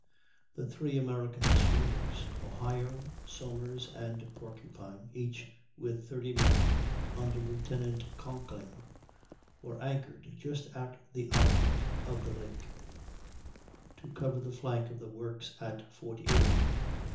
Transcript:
The three American schooners, Ohio, Somers, and Porcupine, each with 30 men, under Lieut. Conkling, were anchored just at the outlet of the lake, to cover the flank of the works at Fort Erie.